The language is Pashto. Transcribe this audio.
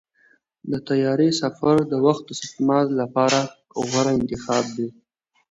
د طیارې سفر د وخت د سپما لپاره غوره انتخاب دی.